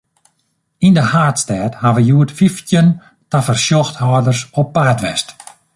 Yn de haadstêd hawwe hjoed fyftjin tafersjochhâlders op paad west.